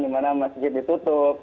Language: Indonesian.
dimana masjid ditutup